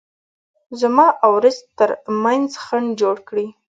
زما او رزق ترمنځ خنډ جوړ کړي.